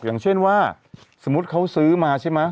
อย่างเช่นว่าสมมุติเขาซื้อมาใช่ไหม